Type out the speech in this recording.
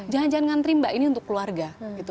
jangan jangan ngantri mbak ini untuk keluarga